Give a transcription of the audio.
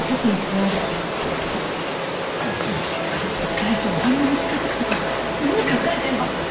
監察対象にあんなに近づくとか何考えてんの